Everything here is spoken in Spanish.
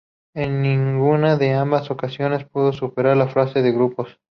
En ninguna de ambas ocasiones pudo superar la fase de grupos.